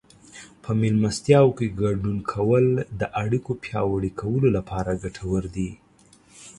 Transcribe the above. په مېلمستیاوو کې ګډون کول د اړیکو پیاوړي کولو لپاره ګټور دي.